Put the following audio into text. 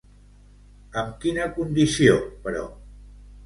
Amb quina condició, però?